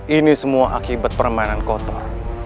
ini semua akibat permainan kotor